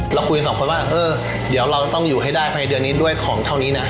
เราคุยกับ๒คนว่าเฮ่ยเดี๋ยวเราต้องอยู่ให้ได้ไพรเดือนนี้ด้วยของเท่านี้นะ